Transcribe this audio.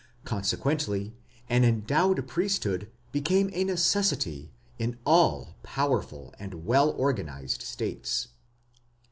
Consequently an endowed priesthood became a necessity in all powerful and well organized states.